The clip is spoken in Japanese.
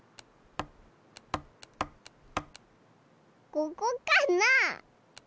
ここかな？